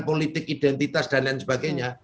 politik identitas dan lain sebagainya